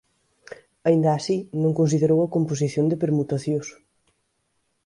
Aínda así non considerou a composición de permutacións.